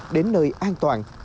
đến nơi an toàn